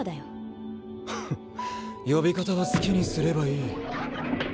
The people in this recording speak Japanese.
フン呼び方は好きにすればいい。